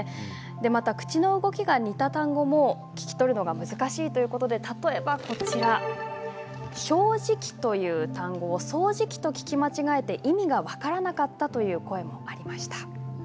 また口の動きが似た単語も聞き取るのが難しいということで、例えば正直という単語を掃除機と聞き間違えて意味が分からなかったという声もありました。